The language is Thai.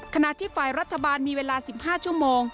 ขณะที่ฝ่ายรัฐบาลมีเวลา๑๕ชั่วโมง